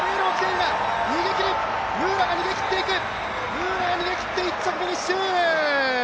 ムーラが逃げ切って１着フィニッシュ！